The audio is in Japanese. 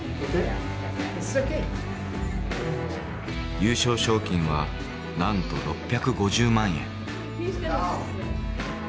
優勝賞金はなんと６５０万円。